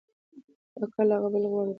دا کار له هغه بل غوره دی.